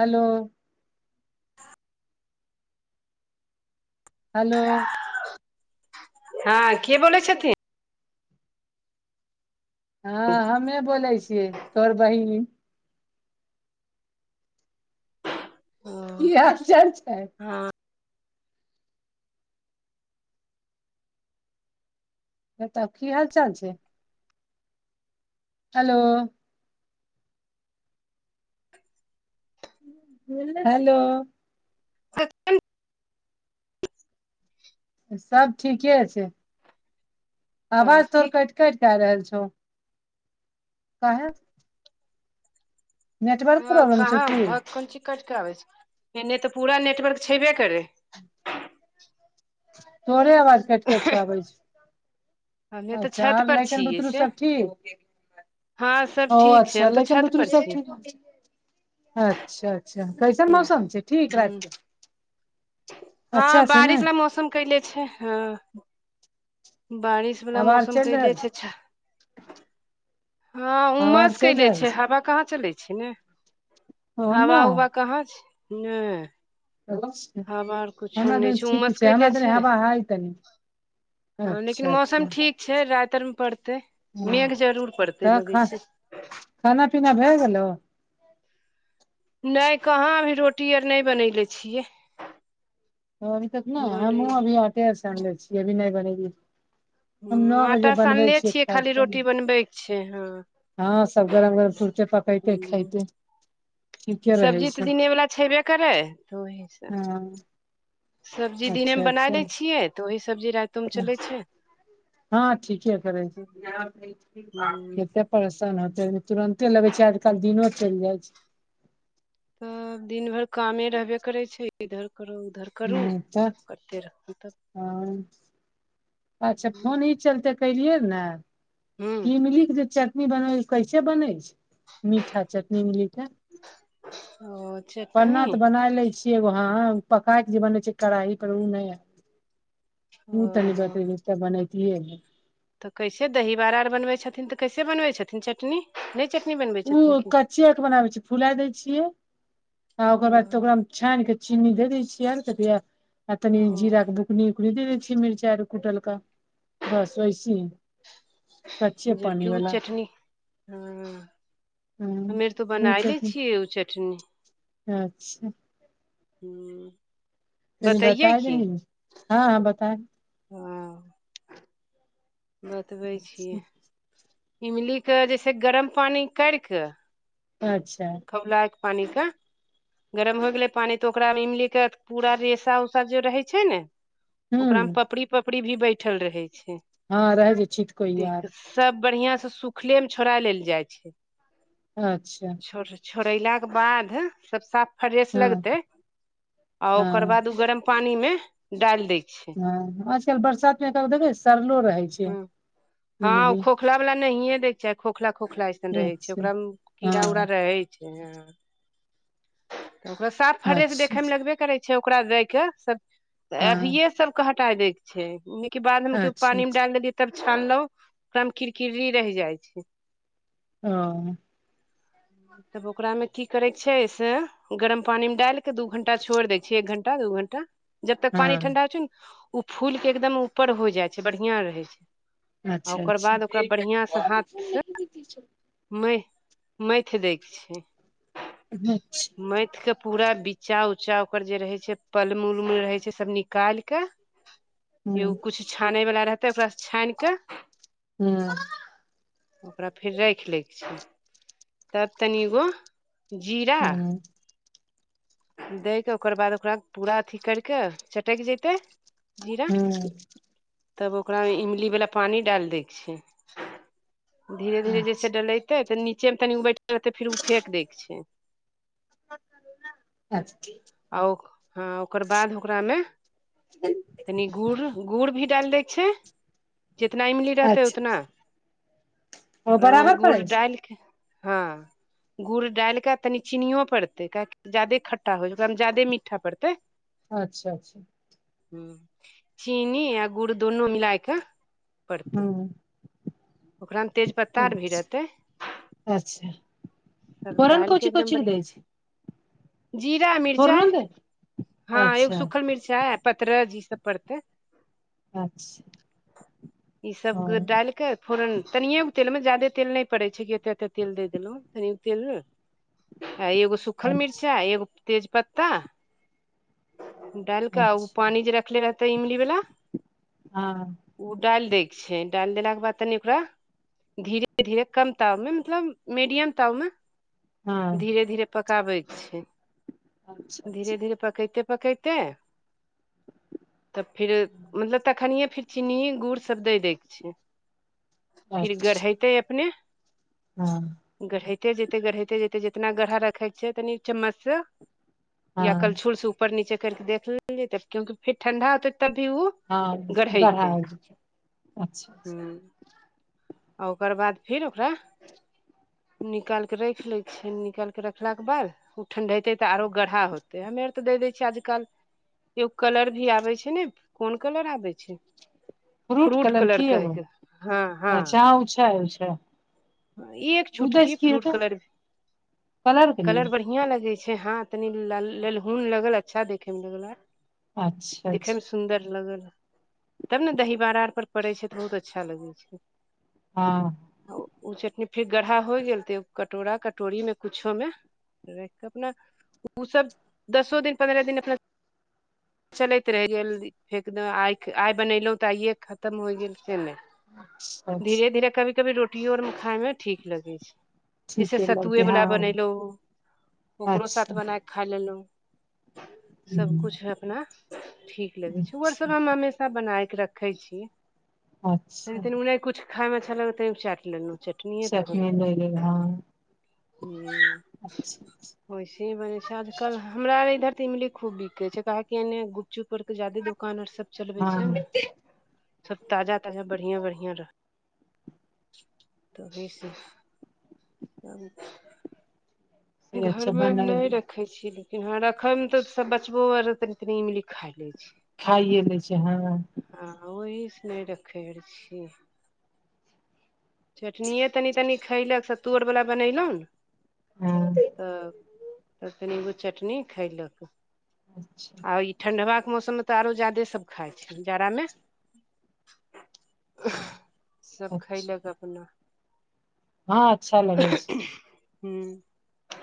hello [unintelligible] hello हँ के बोलै छथिन हँ हमे बोलै छियै तोहर बहिन की हाल चाल छै बताउ की हाल चाल छै हेलो हेलो [unintelligible] सब ठीके छै हँ आवाज की तोहर कटि कटि क आइ रहल छौ काहे नेटवर्क हँ प्रॉब्लम छौ कहाँ की भक कोन चीज कटिक आबै छै एने तऽ पूरा नेटवर्क छेबे करै तोड़े अवाज कटि कटि क आबै हमे छै तऽ अच्छा छत आर पर लैकन छियै बुतरू से सब ठीक हँ सब ओ ठीक छै अच्छा हम तऽ लेकिन छत पर बुतुरू सब छी ठीक अच्छा अच्छा कैसन मौसम छै ठीक ह रातिके हँ बारिश वला मौसम कैले छै हँ बारिश वला हवा आर मौसम चलि कैले रहल छै अच्छा हँ हवा आर उमस चलि कइले रहल छै हवा कहाँ चलै छै ने ओ ने हवा उवा कहाँ छै ने हमरा नहि तनी ठीक उमस छै कैले हमरा तनी हवा हाइ तनी हँ लेकिन अच्छा मौसम अच्छा ठीक छै राति आरमे पड़तै ह मेघ जरूर पड़तै तऽ लगै खा छै खाना पीना भऽ गेलौ नइ कहाँ अभी रोटी आर नइ बनयले छियै अभी तक न हमूँ बनैले अभी आटे आ सानले छियै अभी नइ बनेलिय हूं आटा सानने छियै खाली खायके रोटी बनबैक छै हँ हँ सब गरम गरम फुुरते पकैते हूँ खयतै सब्जी तऽ दिनेवला छेबे करै तऽ ओहीसँ हँ सब्जी दिने मे अच्छा बनाय अच्छा दै छियै तऽ ओही सब्जी राति हँ ठीके करै ह छै परेशान होतै तुरंते लगे छै आजकल दिनो चलि जाय छै तब दिन भरि कामे रहबे करै छै इधर करू उधर करू ह सब तऽ करते रहू तब हँ अच्छा फोन ई चलते कलियै न ह इमली के जे चटनी बनै उ कैसे बनै छै मीठा चटनी मिली के ओ पन्ना चटनी तऽ बनाय लै छी एगो हां पकाय क जे बनबै छि कड़ाई पर उ ने ह ओ तनी बात त बनैते [unintelligible] तऽ कैसे दही बड़ा आर बनबै छथिन तऽ कैसे बनबै छथिन चटनी नइ चटनी बनबै छथिन ओ की कच्चे के बनाबै छियै फुला देय छियै आ ओकर बाद तऽ ओ ओकरा छानि के चीनी दे देै छियै आर किया तनी ओ जीरा के बुकनी उकनी दे दे छियै मिरचाय कुटलका बस वैसहि कच्चे जबकि पानि ओ वला चटनी हँ हमे आर तऽ उ बनाय लै चटनी छियै ओ चटनी अच्छा [unintelligible] तनि बतैयै बताए देहि न हँ ह बताए हं बतबै छिए इमलीके जैसे गरम पानि करि कऽ अच्छा खौलाय कऽ पानि के गरम हो गेलै पानि तऽ ओकरा इमली के पूरा रेसा उसा जे रहै छै ने हूँ ओकरा मे पपड़ी पपड़ी भी बैठल रहै छै हँ रहै छै छीत देख कोइया कऽ आर सब बढ़ियां से सुखले मे छोड़ा लेल जाइ छै अच्छा छो छोड़ैलाके बाद सब साफ फ्रेश हँ लगतै आ ओकर हँ बाद ओ गरम पानी मे डाल दै छै हं आजकल बरसात मे देखब सरलो रहै छै हूं हां ओ इमली खोखला वाला नहिे दैके चाहि खोखला खोखला रहै छै अच्छा ओकरा मे कीड़ा उड़ा हँ रहै छै हं ओकरा साफ फ्रेश अच्छा देखैमे लगबे करै छै ओकरा दय के सब हँ अभिये सब हटा देय के छै न कि बाद मे केओ अच्छा पानी मे अच्छा डाल देलियै तब छानलौं ओकरा मे किरकिरी रहि जाइ छै ओ तब ओकरामे की करै छै से गर्म पानी मे डाल के दू घंटा छोड़ दै छ एक घंटा दू घंटा जबतक पानि हँ ठंडा होइ छै ने ओ फूल के एकदम ऊपर हो जाइ छै बढ़िया रहे छै आ अच्छा ओकर अच्छा बाद ओकरा बढ़ियां से हाथ से म मथि दैके छै अच्छा मैथ के पूरा बिचा उचा ओकर जे रहे छै पलम उलम रहे छै सब निकाल के [inaudible] एगो किछु छानैवला रहतै ओकरासँ छानि कऽ हँ ओकरा फेर राखि लैके छै तब तनिगो जीरा हँ दै के ओकर बाद ओकरा पूरा अथी कर कऽ चटक जैतै जीरा हँ तब ओकरा मे इमली वाला पानी डाल दै के छै धीरे धीरे अच्छा जैसे डलैतै तऽ नीचे मे तनी उ बैठ रहतै फेर ओ फेक दै के छै अच्छा - आ ह ओकर बाद ओकरा मे तनि गुड़ गुड़ भी डाल देय छै जितना इमली रहते अच्छा उतना ओ ओकरा मे वह बराबर गुड़ पड़ै छै डाली के हँ गुड़ डालि के तनी चीनियो पड़तै काहेकि जादे खट्टा होइ छै ओकरामे ज्यदे मीठा पड़तै अच्छा अच्छा हुँ चीनी य गुड़ दोनो मिलय क पड़तै हँ ओकरामे तेज पत्ता आर भी अच्छा रहतै अच्छा सब फोरन डालि कोची एकदम कोची के दै बढ़िया छी जीरा मिर्चाई ने दै छै हँ एगो अच्छा सुखल मिर्चाई पतरज ई सब पड़तै अच्छा ई सब ग हँ डालिके फोरन तनियएगो तेलमे जा्यदे तेल नहि पड़ै छै कि एतेक एतेक तेल द देलहुँ तनिगो तेल ने आ एगो सुखल अच्छा मिर्चाई एगो तेज पत्ता डालि कऽ आ ओ अच्छा पानि जे रखले रहतै इमलीवला हँ ओ डालि दै के छै डालि देलाके बाद तनि ओकरा धीरे धीरे कम ताव मे मतलब मीडियम ताव मे हँ धीरे धीरे पकाबैके छै अच्छा अच्छा धीरे धीरे पकैते पकैते फिर मतलब तखनीय फिर चीनी गुड़ सब द दै के छै फिर अच्छा गढ़ेते अपने हँ गढ़इते जतै गढ़इते जतै जेतना गढ़हा रखै छैय तनि चम्मचसँ या हँ कल्छुल से ऊपर नीचे करके देख लेल जेतय क्यंकि फेर ठण्डा होतेै तब भी ओ हँ गढ़ा हो अच्छा हूँ आ ओकर बाद फेर ओकरा निकाल के राख ले छिय निकाल के रखलाक के बाद ओ ठण्ढेतै तऽ आरो गढ़ा होतै हमे आर तऽ दऽ दै छियै आजकल एगो कलर भी आबे छै ने कोन कलर आबे छै फ्रूट कलर कहैके हँ हँ अच्छा उ छै उ छै ई एक उदय छुटकी से की फ्रूट हेतै कलर भी के लिए कलर बढ़िया बढ़िया लगे छै हां तनी लल ललहुन लगल अच्छा देखे मे लगल अच्छा देखे मे अच्छा सुन्दर लगल तब ने दहीबड़ा आर पर पड़े छै तऽ बहुत अच्छा लगे छै हँ ओ चटनी फेर गढ़हा होय गेल ते कटोरा कटोरी में कुछो में अपना ओ सब दसो दिन पन्द्रह दिन अपना चलैत रहि गेल फेक आइ आइ बनेलहुँ तऽ आइए खतम होय गेल सेमे अच्छा अच्छा, धीरे धीरे कभी कभी रोटियो आर खाायमे ठीक लगै छै जैसे ठीके सत्तुए लगतै वला हँ बनेलहु ओकरो साथ अच्छा बना खा लेलहुँ सब हम्म, कुछ अपना ठीक लगै छै ओर सब अच्छा हम हमे सब बनाय के रखे छी तनि अच्छा तनी नहि कुछ खाय में छले तनी चाट लेलुँ चटनीए तऽ फल चटनी लय लेबै हँ ह अच्छा वैसे बनै छै आजकल हमरा इधर तऽ इमली खूब बिकै छै काहेक केने गुपचुप आर के जदे दोकान आर सब चलबे छै हँ ने सब ताजा ताजा बढ़िया बढ़िआ रह [unintelligible] से घर अच्छा मे नहि बनैबै रख रखे छीै लेकिन हँ रखे मे तऽ सब बचबो आर तनी तनी इमली खा ले छै खाइे लेय छै हँ हँ ओहि से नहि रखै छियै चटनिये तनी तनि खयलक सत्तू आओर बला बनेलहुँ ने हँ तब तब कनिगो चटनी खैलक अच्छा आ ई ठंडवा के मौसम मे तऽ आरो जादे सब खाइ छै जाड़ामे हाँ, सभ अच्छा खयलक अपना हँ अच्छा लगे छै हूँ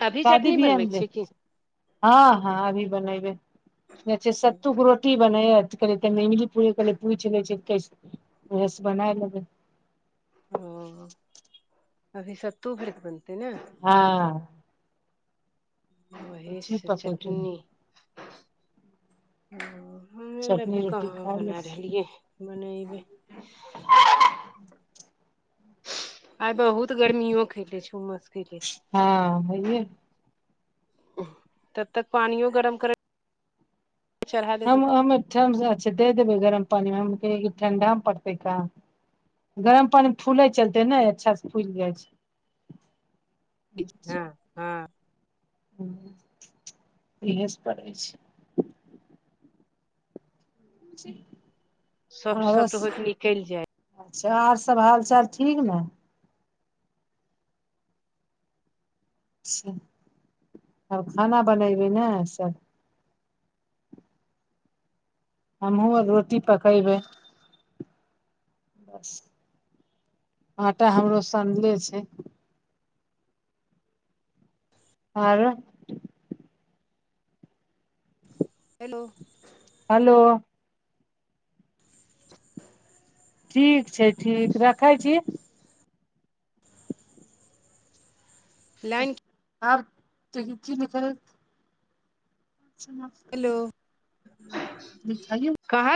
अभी शादी चटनी बनबैके बीमे छै की हँ हँ अभी बनाबे सत्तु गुरो की बनै कह इमली प पूछि लेह बना लेबै ओ अभी सत्तू भरि देलकै न हँ वही छी से पकै केने ओ हमे आर अभी चटनी रोटी कहाँ खाय ले बना रहलियै बनयबै आइ बहुत गर्मियो कैने छै उमस कैने हँ छै हइये तब तक पानियो गरम करे हम हम ठरमस अचछा दे देबै गरम पानि मे ठण्डा मे पड़तै काम गरम पानी मे फूले चलते ने अच्छा से फूलि जाइ छै हँ हँ हुँ इहेस पड़ै छै [unintelligible] सॉफ्ट आरो सॉफ्ट होय के निकलि जाय अच्छा आर सब हाल चाल ठीक ने चा आब खाना बनेबै ने सब हमहुँ आ रोटी पकेबै बस आटा हमरो सनले छै आरो हेलो हेलो ठीक छै ठीक रखै छी लाइन आओर त की बताउ हँ हेलो लिखाइयो कहे